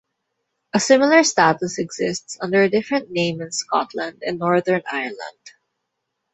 A similar status exists under a different name in Scotland and Northern Ireland.